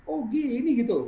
oh gini gitu